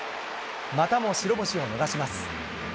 またも白星を逃します。